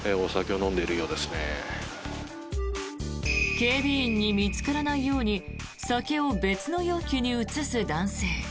警備員に見つからないように酒を別の容器に移す男性。